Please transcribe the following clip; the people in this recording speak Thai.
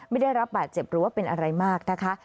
ไม่ได้รับบาดเจ็บหรือว่าเป็นอะไรมากนะคะ